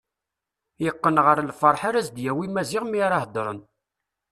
Yeqqen ɣer lferḥ ara s-d-yawi Maziɣ mi ara heddren.